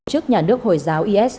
trước nhà nước hồi giáo is tự xử